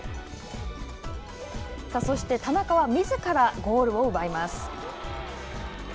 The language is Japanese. そして、田中はみずからゴールを奪います。